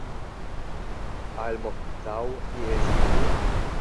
Ha el mo quitau, ni eisi ver?